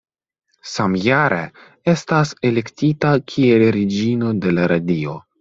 Samjare estas elektita kiel Reĝino de la Radio.